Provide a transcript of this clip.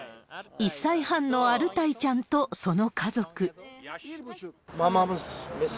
１歳半のアルタイちゃんと、その家族。